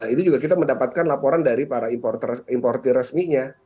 itu juga kita mendapatkan laporan dari para importer resminya